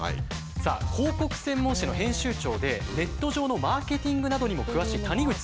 さあ広告専門誌の編集長でネット上のマーケティングなどにも詳しい谷口さん。